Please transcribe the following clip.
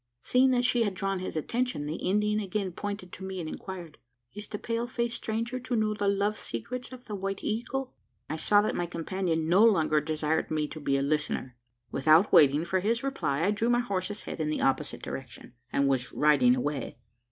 Seeing that she had drawn his attention, the Indian again pointed to me, and inquired: "Is the pale faced stranger to know the love secrets of the White Eagle?" I saw that my companion no longer desired me to be a listener. Without waiting for his reply, I drew my horse's head in the opposite direction, and was riding away.